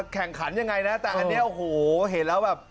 แข่งขันยังไงนะแต่อันนี้โอ้โหเห็นแล้วแบบ